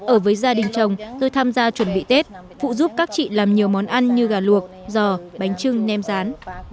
ở với gia đình chồng tôi tham gia chuẩn bị tết phụ giúp các chị làm nhiều món ăn như gà luộc giò bánh trưng nem rán